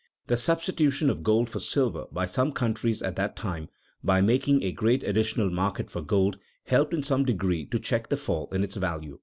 The substitution of gold for silver by some countries at that time, by making a great additional market for gold, helped in some degree to check the fall in its value.